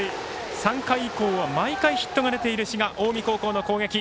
３回以降は毎回ヒットが出ている滋賀・近江高校の攻撃。